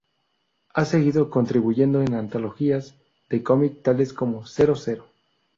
Ha seguido contribuyendo en antologías de cómic tales como "Zero Zero.